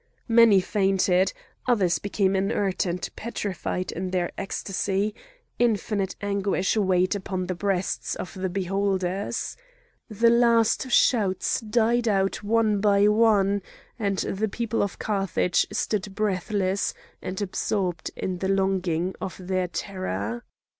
Many fainted; others became inert and petrified in their ecstasy. Infinite anguish weighed upon the breasts of the beholders. The last shouts died out one by one,—and the people of Carthage stood breathless, and absorbed in the longing of their terror.